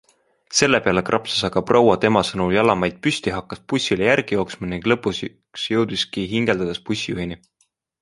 Selle peale krapsas aga proua tema sõnul jalamaid püsti, hakkas bussile järgi jooksma ning lõpuks jõudiski hingeldades bussijuhini.